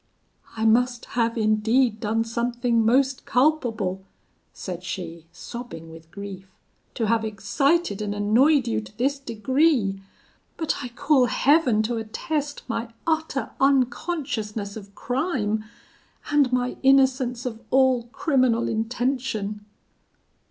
'I must have indeed done something most culpable,' said she, sobbing with grief, 'to have excited and annoyed you to this degree; but, I call Heaven to attest my utter unconsciousness of crime, and my innocence of all criminal intention!'